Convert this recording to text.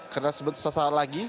karena sesaat lagi